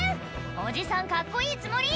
⁉おじさんカッコいいつもり？